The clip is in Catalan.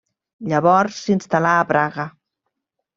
Llavors s'instal·là a Praga.